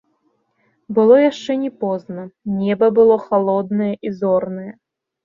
Было яшчэ не позна, неба было халоднае і зорнае.